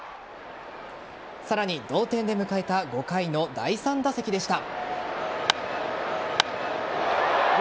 さらに、同点で迎えた５回の第３打席でした。